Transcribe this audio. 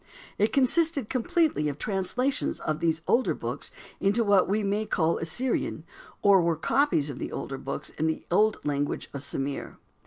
It consisted completely of translations of these older books into what we may call Assyrian, or were copies of the older books in the old language of Sumir.